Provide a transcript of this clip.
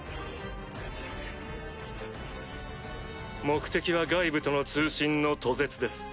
目的は外部との通信の途絶です